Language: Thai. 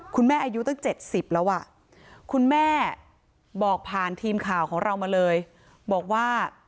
อายุตั้ง๗๐แล้วอ่ะคุณแม่บอกผ่านทีมข่าวของเรามาเลยบอกว่า